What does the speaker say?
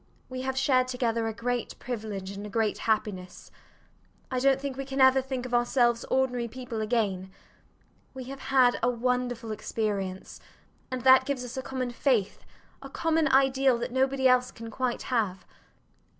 We have shared together a great privilege and a great happiness. I dont think we can ever think of ourselves ordinary people again. We have had a wonderful experience; and that gives us a common faith, a common ideal, that nobody else can quite have.